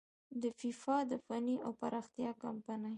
د فیفا د فني او پراختیايي کميټې